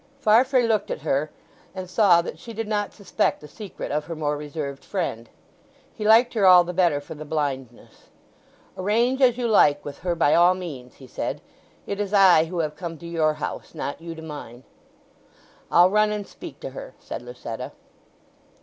Farfrae looked at her and saw that she did not suspect the secret of her more reserved friend. He liked her all the better for the blindness. "Arrange as you like with her by all means," he said. "It is I who have come to your house, not you to mine." "I'll run and speak to her," said Lucetta.